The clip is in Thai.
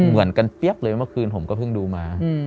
เหมือนกันเปี๊ยบเลยเมื่อคืนผมก็เพิ่งดูมา